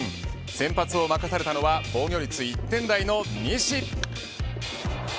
先発を任されたのは防御率１点台の西。